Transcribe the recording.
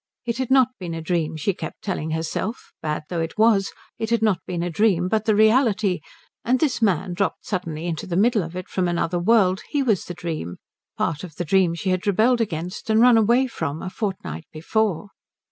It had not been a dream, she kept telling herself bad though it was it had not been a dream but the reality; and this man dropped suddenly in to the middle of it from another world, he was the dream, part of the dream she had rebelled against and run away from a fortnight before.